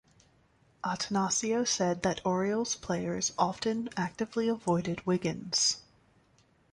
Attanasio said that Orioles players often actively avoided Wiggins.